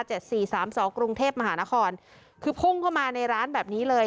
สามสองกรุงเทพมหานครคือพุ่งเข้ามาในร้านแบบนี้เลย